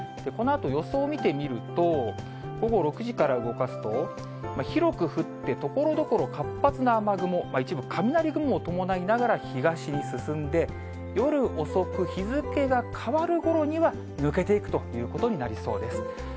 このあと、予想を見てみると、午後６時から動かすと、広く降って、ところどころ、活発な雨雲、一部、雷雲を伴いながら、東に進んで、夜遅く、日付が変わるころには、抜けていくということになりそうです。